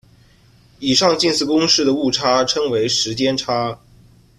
以上近似公式的误差称为时间差。